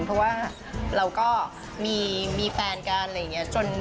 เพราะว่าเราก็มีแฟนกันอะไรอย่างนี้